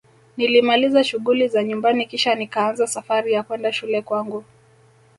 Nilimaliza shughuli za nyumbani Kisha nikaanza Safari ya kwenda shule kwangu